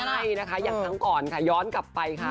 ใช่นะคะอย่างครั้งก่อนค่ะย้อนกลับไปค่ะ